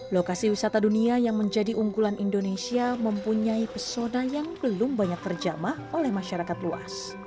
lokasi wisata dunia yang menjadi unggulan indonesia mempunyai pesona yang belum banyak terjamah oleh masyarakat luas